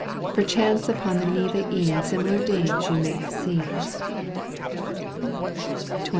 Perchance upon the Neva e'en Similar dames ye may have seen. XXIII.